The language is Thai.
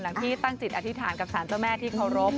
ที่ตั้งจิตอธิษฐานกับสารเจ้าแม่ที่เคารพ